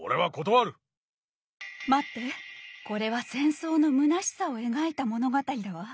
待ってこれは戦争の虚しさを描いた物語だわ。